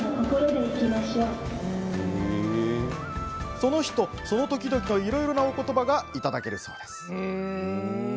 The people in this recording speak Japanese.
その人、その時々のいろいろな言葉がいただけるそうです。